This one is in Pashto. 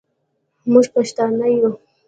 موږ پښتانه یو.